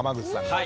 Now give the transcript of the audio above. はい。